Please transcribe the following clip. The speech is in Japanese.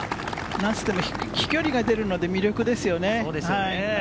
何といっても飛距離が出るので魅力ですよね。